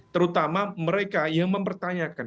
terutama mereka yang mempertanyakan